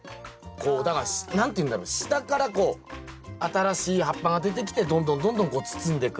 だから何て言うんだろ下からこう新しい葉っぱが出てきてどんどんどんどんこう包んでく。